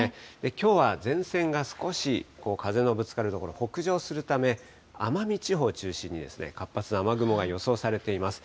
きょうは前線が少し風のぶつかる所、北上するため、奄美地方を中心に、活発な雨雲が予想されています。